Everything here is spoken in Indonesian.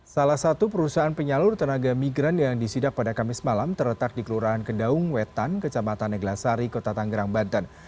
salah satu perusahaan penyalur tenaga migran yang disidak pada kamis malam terletak di kelurahan kedaung wetan kecamatan neglasari kota tanggerang banten